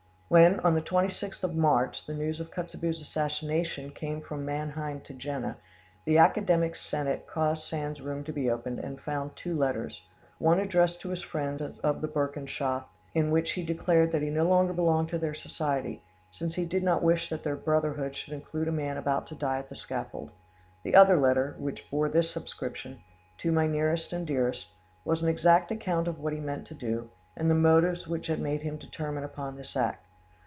When, on the 26th of March, the news of Kotzebue's assassination came from Mannheim to Jena, the academic senate caused Sand's room to be opened, and found two letters—one addressed to his friends of the Burschenschaft, in which he declared that he no longer belonged to their society, since he did not wish that their brotherhood should include a man about to die an the scaffold. The other letter, which bore this superscription, "To my nearest and dearest," was an exact account of what he meant to do, and the motives which had made him determine upon this act.